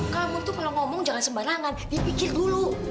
kamu tuh kalau ngomong jangan sembarangan dipikir dulu